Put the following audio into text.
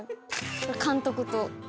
監督と。